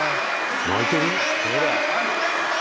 泣いてる？